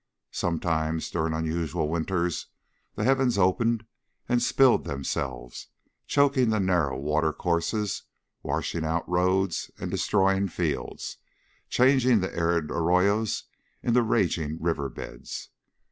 Sometimes, during unusual winters, the heavens opened and spilled themselves, choking the narrow watercourses, washing out roads and destroying fields, changing the arid arroyos into raging river beds.